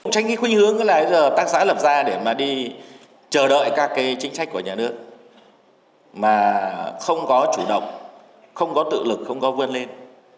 tránh khuyên hướng là tác xã lập ra để mà đi chờ đợi các chính trách của nhà nước mà không có chủ động không có tự lực không có vươn lên